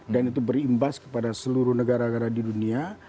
dan itu berimbas kepada seluruh negara negara di dunia